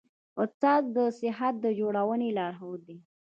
استاد د شخصیت جوړونې لارښود دی.